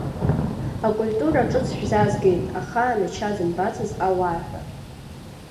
Акультура ҿыц шәзааҳгеит, ахаан ача зымбацыз ауаа ҳәа…